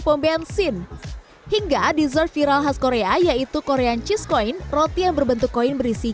pom bensin hingga dessert viral khas korea yaitu korean cheese coin roti yang berbentuk koin berisi